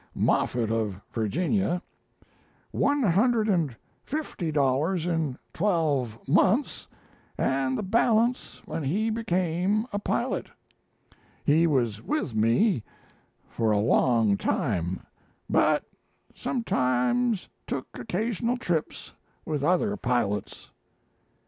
Moffett, of Virginia), $150 in twelve months, and the balance when he became a pilot. He was with me for a long time, but sometimes took occasional trips with other pilots."